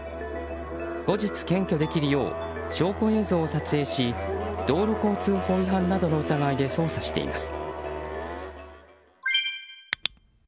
後日、検挙できるよう証拠映像を撮影し道路交通法違反などの疑いで捜査しています。